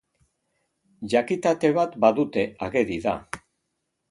Jakitate bat badute, ageri da.